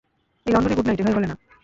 এই লন্ডনে good night, এভাবে বলে না।